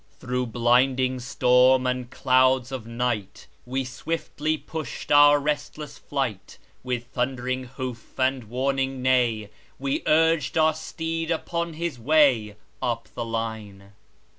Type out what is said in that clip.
Through blinding storm and clouds of night, We swiftly pushed our restless flight; With thundering hoof and warning neigh, We urged our steed upon his way Up the line.